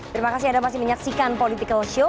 terima kasih anda masih menyaksikan political show